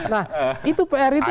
nah itu pr itu